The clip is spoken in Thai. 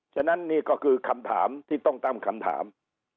ฉะนั้นนี่ก็คือคำถามที่ต้องตั้งคำถาม